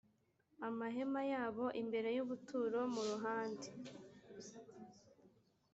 amahema yabo imbere y ubuturo mu ruhande